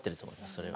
それは。